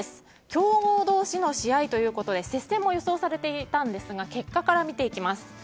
強豪同士の試合ということで接戦も予想されていたんですが結果から見ていきます。